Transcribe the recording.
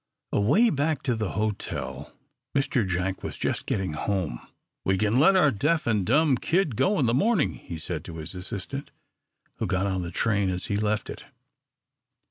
Away back in the hotel Mr. Jack was just getting home. "We can let our deaf and dumb kid go in the morning," he said to his assistant, who got on the train as he left it.